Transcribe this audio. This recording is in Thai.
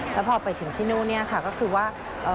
แล้วพอไปถึงที่นู่นเนี่ยค่ะก็คือว่า